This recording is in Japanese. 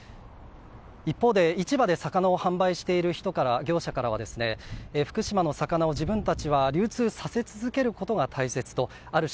一方で市場で魚を販売している業者からは福島の魚を自分たちは流通させ続けることが大切とある種